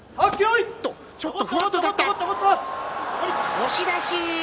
押し出し。